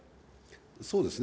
そうですね。